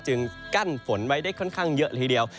กั้นฝนไว้ได้ค่อนข้างเยอะเลยทีเดียว